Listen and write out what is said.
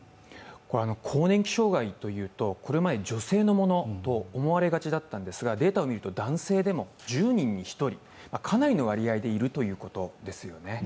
更年期障害というとこれまで女性のものと思われがちだったんですがデータを見ると男性でも１０人に１人かなりの割合でいるということですよね。